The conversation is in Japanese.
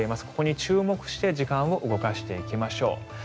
ここに注目して時間を動かしていきましょう。